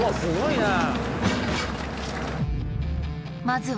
すごいなあ。